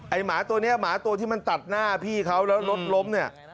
หมาตัวนี้หมาตัวที่มันตัดหน้าพี่เขาแล้วรถล้มเนี่ย